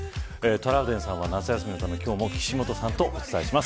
トラウデンさんは夏休みのため今日も岸本さんとお伝えします。